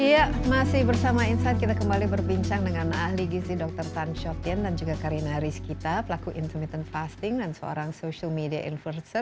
iya masih bersama insight kita kembali berbincang dengan ahli gizi dr tan shotian dan juga karina rizkita pelaku intermittent fasting dan seorang social media inversor